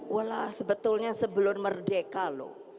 wah sebetulnya sebelum merdeka loh